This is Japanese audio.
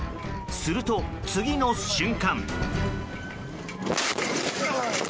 すると、次の瞬間。